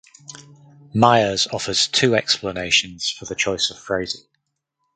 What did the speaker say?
Myers offers two explanations for the choice of phrasing.